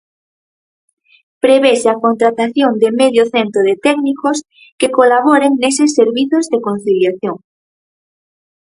Prevese a contratación de medio cento de técnicos que colaboren neses servizos de conciliación.